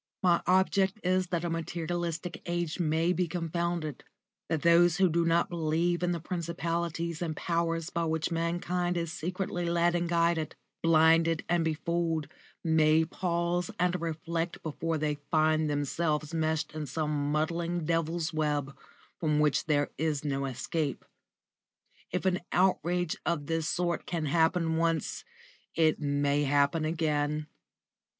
My object is that a materialistic age may be confounded, that those who do not believe in the principalities and powers by which mankind is secretly led and guided, blinded and befooled, may pause and reflect before they find themselves meshed in some muddling devil's web, from which there is no escape. If an outrage of this sort can happen once, it may again.